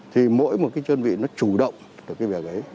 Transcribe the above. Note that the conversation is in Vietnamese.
thì mỗi một chân vị nó chủ động được bệnh viện ấy